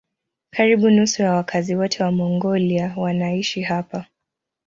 Karibu nusu ya wakazi wote wa Mongolia wanaishi hapa.